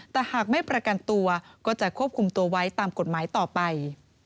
แต่หากไม่ประกันตัวก็จะควบคุมตัวไว้ตามกฎหมายต่อไป